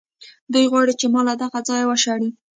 دوی غواړي چې ما له دغه ځایه وشړي.